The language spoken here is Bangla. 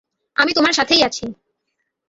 আমি তোমার সাথেই আছি!